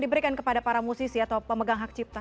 diberikan kepada para musisi atau pemegang hak cipta